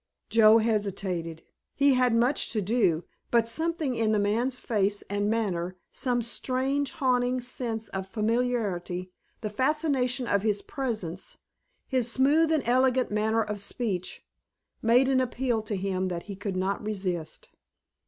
Joe hesitated. He had much to do, but something in the man's face and manner, some strange, haunting sense of familiarity, the fascination of his presence, his smooth and elegant manner of speech, made an appeal to him that he could not resist.